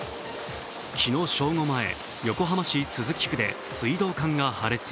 昨日正午前、横浜市都筑区で水道管が破裂。